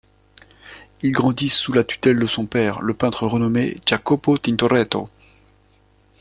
Il grandit sous la tutelle de son père, le peintre renommé Jacopo Tintoretto.